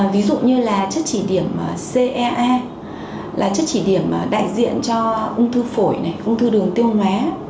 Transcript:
ví dụ như là chất chỉ điểm caa là chất chỉ điểm đại diện cho ung thư phổi ung thư đường tiêu hóa